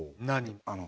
何？